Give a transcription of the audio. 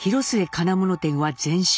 金物店は全焼。